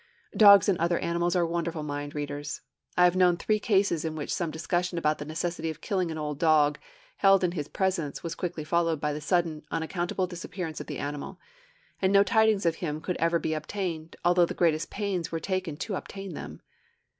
Dogs and other animals are wonderful mind readers. I have known three cases in which some discussion about the necessity of killing an old dog, held in his presence, was quickly followed by the sudden, unaccountable disappearance of the animal; and no tidings of him could ever be obtained, although the greatest pains were taken to obtain them.